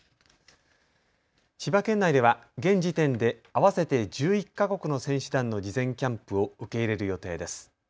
千葉県内では現時点で合わせて１１か国の選手団の事前キャンプを受け入れる予定です。